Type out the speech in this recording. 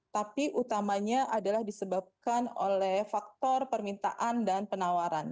tapi utamanya adalah disebabkan oleh faktor permintaan dan penawaran